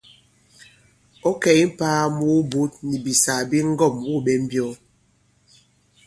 Ɔ̌ kɛ̀ i mpāa mu wubǔt nì bìsàgà bi ŋgɔ᷇m wû ɓɛ mbyɔ̂?